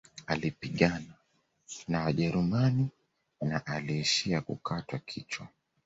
Alipigana na wajerumani na aliishia kukatwa kichwa